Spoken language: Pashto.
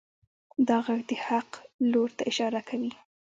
دا غږ د حق لور ته اشاره کوي.